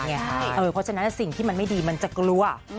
เพราะฉะนั้นสิ่งที่มันไม่ดีมันจะกลัว